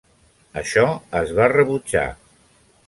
Això es va rebutjar.